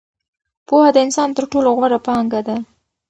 پوهه د انسان تر ټولو غوره پانګه ده.